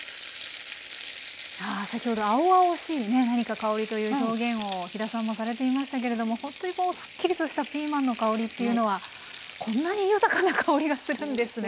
先ほど青々しい香りという表現を飛田さんもされていましたけれどもほんとにすっきりとしたピーマンの香りっていうのはこんなに豊かな香りがするんですね。